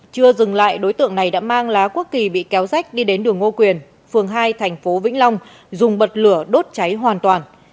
chưa dừng lại đối tượng này đã mang lá quốc kỳ bị kéo rách đi đến đường ngô quyền phường hai thành phố vĩnh long dùng bật lửa đốt cháy hoàn toàn